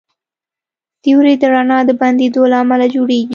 سیوری د رڼا د بندېدو له امله جوړېږي.